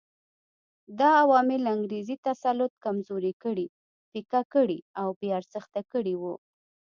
دا عوامل انګریزي تسلط کمزوري کړي، پیکه کړي او بې ارزښته کړي وو.